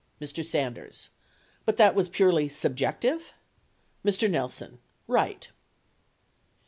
Mr. Sanders. But that was purely subjective? Mr. Nelson. Right.